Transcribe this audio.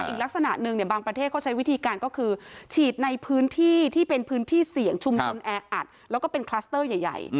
อีกลักษณะหนึ่งเนี่ยบางประเทศเขาใช้วิธีการก็คือฉีดในพื้นที่ที่เป็นพื้นที่เสี่ยงชุมชนแออัดแล้วก็เป็นคลัสเตอร์ใหญ่